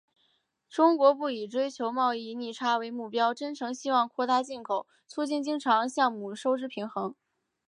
中国不以追求贸易逆差为目标，真诚希望扩大进口，促进经常项目收支平衡。